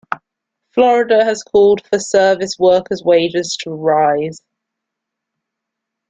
Florida has called for service workers' wages to rise.